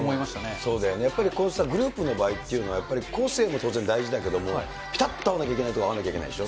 そうだよね、やっぱりこうしたグループの場合っていうのは、やっぱり、個性も当然大事だけども、ぴたっと合わなきゃいけないところは合わなきゃでしょ。